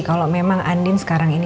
kalau memang andin sekarang ini